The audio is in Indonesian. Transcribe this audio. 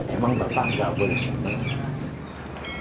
emang bapak gak boleh senang